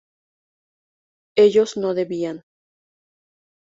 ¿ellos no bebían?